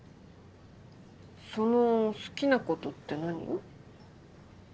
その好きなことって何？